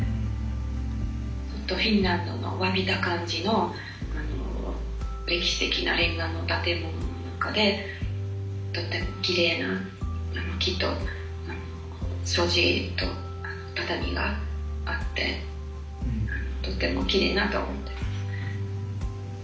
フィンランドの侘びた感じの歴史的なレンガの建物の中でとてもきれいな木と障子と畳があってとてもきれいだと思っています。